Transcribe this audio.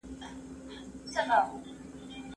که چیرې پرمختیا دوامداره وي نو خلګ به هوسا سي.